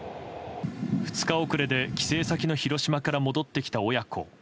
２日遅れで帰省先の広島から戻ってきた親子。